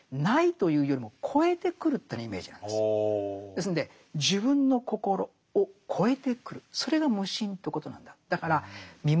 ですんで自分の心を超えてくるそれが無心ということなんだ。